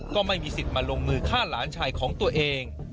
ก็ไม่มีสิทธิ์มาลงมือฆ่าหลานชายของตัวเอง